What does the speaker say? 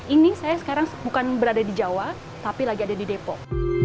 ini saya sekarang bukan berada di jawa tapi lagi ada di depok